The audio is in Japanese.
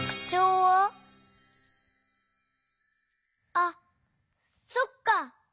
あっそっか！